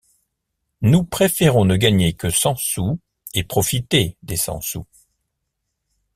Nous préférons ne gagner que cent sous, et profiter des cent sous.